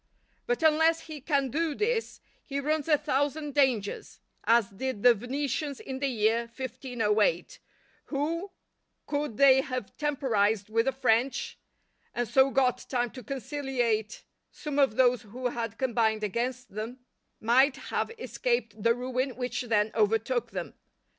But unless he can do this he runs a thousand dangers: as did the Venetians in the year 1508, who, could they have temporized with the French, and so got time to conciliate some of those who had combined against them, might have escaped the ruin which then overtook them.